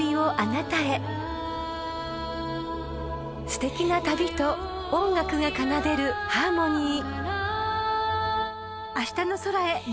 ［すてきな旅と音楽が奏でるハーモニー］